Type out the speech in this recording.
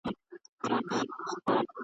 له آمو تر اباسینه وطن غواړو !.